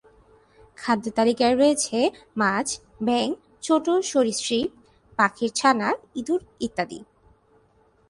খাদ্যতালিকায় রয়েছে মাছ, ব্যাঙ, ছোট সরীসৃপ, পাখির ছানা, ইঁদুর ইত্যাদি।